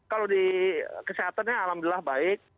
kalau di kesehatannya alhamdulillah baik